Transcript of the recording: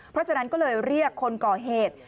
เพราะฉะนั้นก็เลยเรียกคนก่อเหตุ